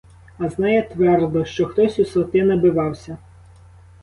А знає твердо, що хтось у свати набивався.